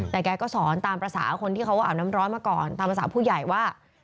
แต่แกก็สอนตามภาษาคนที่เขาอาบน้ำร้อนมาก่อนตามภาษาผู้ใหญ่ว่า